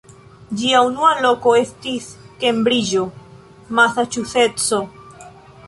Ĝia unua loko estis Kembriĝo, Masaĉuseco.